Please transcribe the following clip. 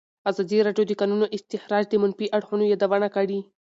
ازادي راډیو د د کانونو استخراج د منفي اړخونو یادونه کړې.